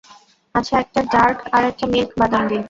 আচ্ছা একটা ডার্ক আর একটা মিল্ক-বাদাম দিন।